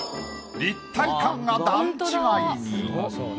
立体感が段違いに。